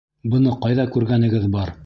Быны ҡайҙа күргәнегеҙ бар?